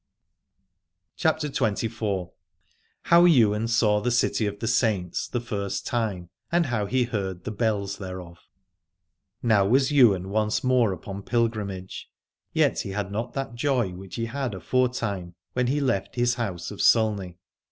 149 CHAPTER XXIV. HOW YWAIN SAW THE CITY OF THE SAINTS THE FIRST TIME AND HOW HE HEARD THE BELLS THEREOF. Now was Ywain once more upon pilgrimage : yet he had not that joy which he had afore time, when he left his house of Sulney.